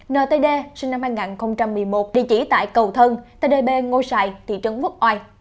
ntd sinh năm hai nghìn một mươi một địa chỉ tại cầu thân tây đề bê ngô sơn thị trấn quốc ai